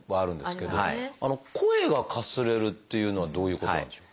あの「声がかすれる」っていうのはどういうことなんでしょう？